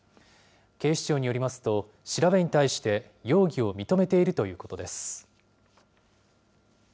警視庁によりますと、調べに対して、容疑を認めているということです。